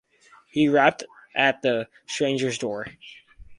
He rapped at the stranger's door.